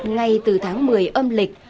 ngay từ tháng một mươi âm lịch